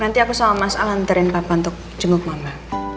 nanti aku sama mas al antarin papa untuk jenguk mama